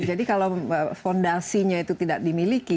jadi kalau fondasinya itu tidak dimiliki